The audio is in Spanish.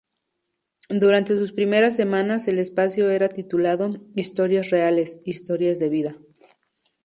Durante sus primeras semanas el espacio era titulado "Historias reales, historias de vida".